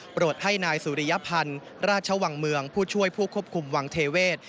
ให้นายสุริยพันธ์ราชวังเมืองผู้ช่วยผู้ควบคุมวังเทเวศ